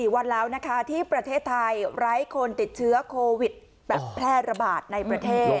๔วันแล้วนะคะที่ประเทศไทยไร้คนติดเชื้อโควิดแบบแพร่ระบาดในประเทศ